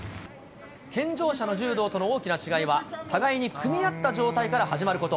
健常者の柔道との大きな違いは、互いに組み合った状態から始まること。